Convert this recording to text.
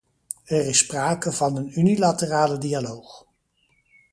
Er is sprake van een unilaterale dialoog.